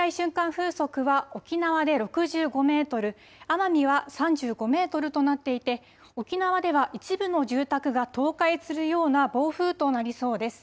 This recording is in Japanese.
風速は沖縄で６５メートル、奄美は３５メートルとなっていて沖縄では一部の住宅が倒壊するような暴風となりそうです。